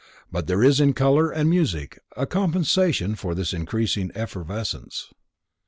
But there is in color and music a compensation for this increasing evanescence.